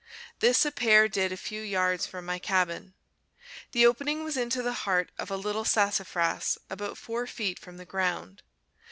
This a pair did a few yards from my cabin. The opening was into the heart of a little sassafras, about four feet from the ground.